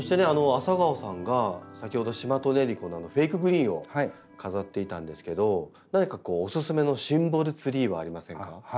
ａｓａｇａｏさんが先ほどシマトネリコのフェイクグリーンを飾っていたんですけど何かおすすめのシンボルツリーはありませんか？